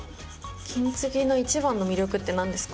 金継ぎの一番の魅力って何ですか？